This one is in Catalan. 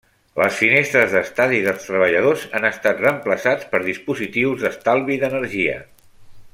Les finestres d'estadi dels Treballadors han estat reemplaçats per dispositius d'estalvi d'energia.